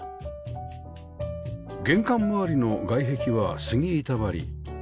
玄関周りの外壁は杉板張り